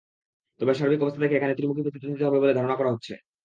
তবে সার্বিক অবস্থা দেখে এখানে ত্রিমুখী প্রতিদ্বন্দ্বিতা হবে বলে ধারণা করা হচ্ছে।